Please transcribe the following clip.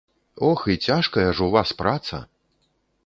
Ох, і цяжкая ж у вас праца!